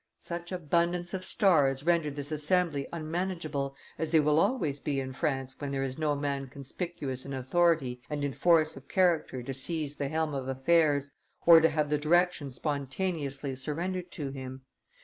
Such abundance of stars rendered this assembly unmanageable, as they will always be in France when there is no man conspicuous in authority and in force of character to seize the helm of affairs or to have the direction spontaneously surrendered to him.